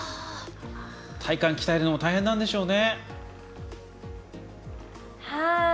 体幹、鍛えるのも大変なんでしょうね。